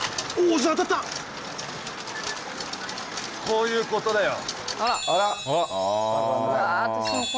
こういうことだよ